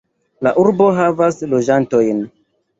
La urbo havas loĝantojn.